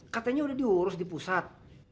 katanya sudah diurus di pusat